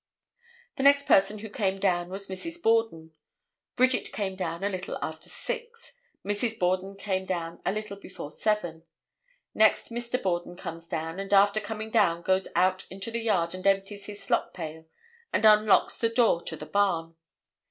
The next person who came down was Mrs. Borden. Bridget came down a little after 6; Mrs. Borden came down a little before 7. Next Mr. Borden comes down, and after coming down goes out into the yard and empties his slop pail and unlocks the door to the barn.